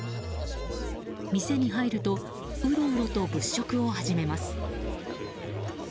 店に入ると、うろうろと物色を始めます。